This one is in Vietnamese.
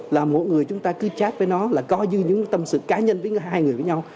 là mỗi người chúng ta cứ chát với nó là coi như những tâm sự cá nhân tiếng hai người với nhau